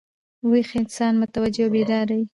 ویښ انسان متوجه او بیداره يي.